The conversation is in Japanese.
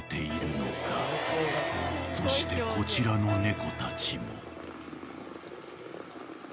［そしてこちらの猫たちも］